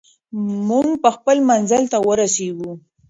موږ به خپل منزل ته ورسېږو.